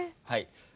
はい。